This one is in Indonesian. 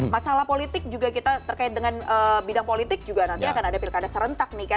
masalah politik juga kita terkait dengan bidang politik juga nanti akan ada pilkada serentak nih kan